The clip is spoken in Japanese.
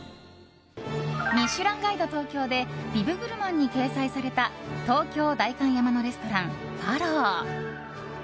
「ミシュランガイド東京」でビブグルマンに掲載された東京・代官山のレストランｆａｌｏ。